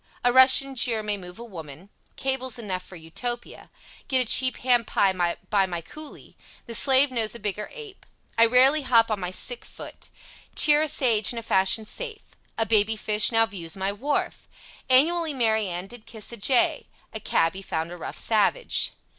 A Russian jeer may move a woman. Cables enough for Utopia. Get a cheap ham pie by my cooley. The slave knows a bigger ape. I rarely hop on my sick foot. Cheer a sage in a fashion safe. A baby fish now views my wharf. Annually Mary Ann did kiss a jay, A cabby found a rough savage.